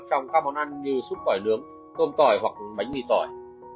trong các món ăn như súp tỏi nướng tôm tỏi hoặc bánh mì tỏi